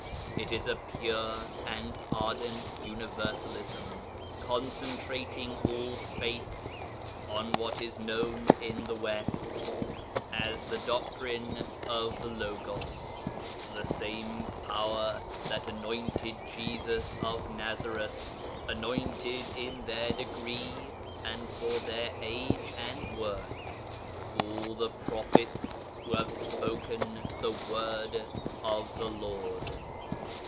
It is a pure and ardent Universalism, concentering all faiths on what is known in the West as the doctrine of the Logos. The same Power that anointed Jesus of Nazareth, anointed in their degree and for their age and work, all the prophets who have spoken the Word of the Lord.